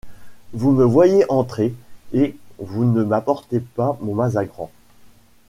Vous me voyez entrer et vous ne m’apportez pas mon mazagran…